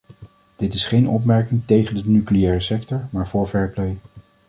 Dit is geen opmerking tegen de nucleaire sector, maar vóór fair play.